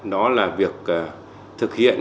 đó là việc thực hiện